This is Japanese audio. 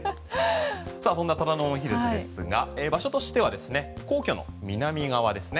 そんな虎ノ門ヒルズですが場所としてはですね皇居の南側ですね。